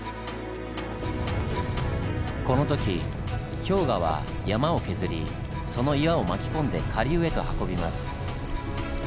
この時氷河は山を削りその岩を巻き込んで下流へと運びます。